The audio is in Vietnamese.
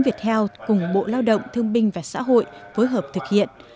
việt health cùng bộ lao động thương binh và xã hội phối hợp thực hiện